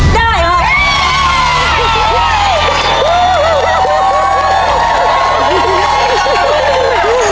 ได้ครับ